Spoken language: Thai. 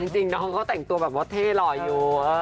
จริงน้องเขาแต่งตัวแบบว่าเท่หล่ออยู่